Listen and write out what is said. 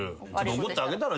怒ってあげたら？